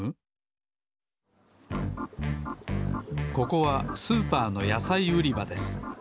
ここはスーパーのやさいうりばです。